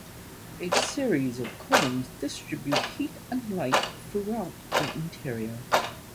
A series of columns distribute heat and light throughout the interior.